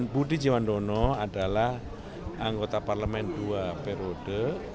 budi jiwandono adalah anggota parlemen dua periode